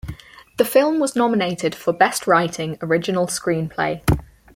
The film was nominated for Best Writing, Original Screenplay.